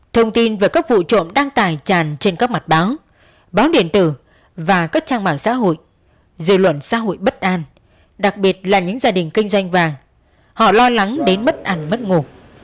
thông tin về các vụ trộm đang tài tràn trên các mặt báo báo điện tử và các trang mạng xã hội dư luận xã hội bất an đặc biệt là những gia đình kinh doanh vàng họ lo lắng đến mất ăn mất ngủ